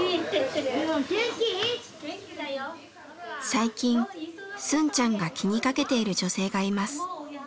最近スンちゃんが気に掛けている女性がいます。